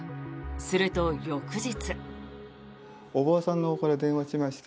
すると、翌日。